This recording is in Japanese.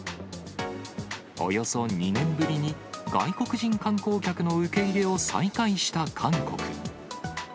およそ２年ぶりに外国人観光客の受け入れを再開した韓国。